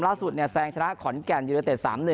ล่าสุดแสงชนะขอนแก่นอยู่ในเตรียม๓๑